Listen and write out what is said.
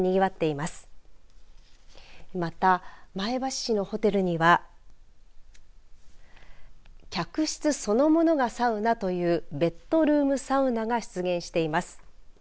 また、前橋市のホテルには客室そのものがサウナというベッドルームサウナが出現しています。